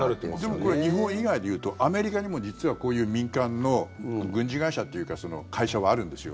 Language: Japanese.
でも、これ日本以外でいうとアメリカにも実はこういう民間の軍事会社というか会社はあるんですよ。